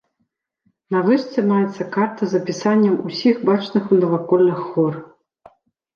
На вышцы маецца карта з апісаннем ўсіх бачных у наваколлях гор.